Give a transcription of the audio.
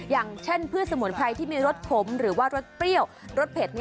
อย่างเช่นพืชสมุนไพรที่มีรสขมหรือว่ารสเปรี้ยวรสเผ็ด